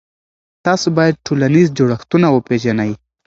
تاسې باید ټولنیز جوړښتونه وپېژنئ.